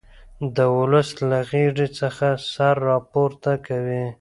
د ولس له غېږې څخه سر را پورته کوي.